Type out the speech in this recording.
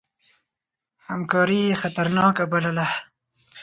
همکاري یې خطرناکه بلله.